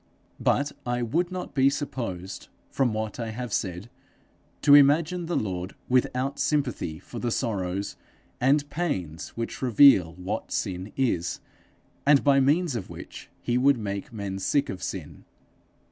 But I would not be supposed, from what I have said, to imagine the Lord without sympathy for the sorrows and pains which reveal what sin is, and by means of which he would make men sick of sin.